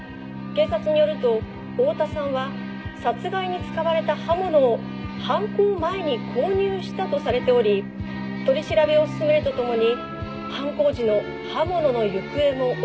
「警察によると大多さんは殺害に使われた刃物を犯行前に購入したとされており取り調べを進めると共に犯行時の刃物の行方を追っています」